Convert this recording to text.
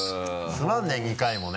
すまんね２回もね。